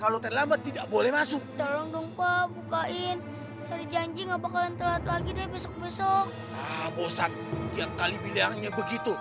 ah bosan tiap kali bilangnya begitu